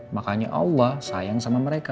makanya allah sayang sama mereka